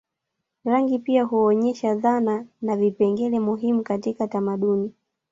Rangi pia huonyesha dhana na vipengele muhimu katika tamaduni